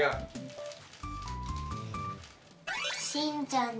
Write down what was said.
しんちゃんです。